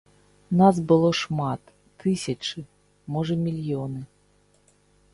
Нас было шмат, тысячы, можа, мільёны.